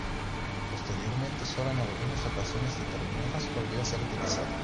Posteriormente sólo en algunas ocasiones determinadas volvió a ser utilizado.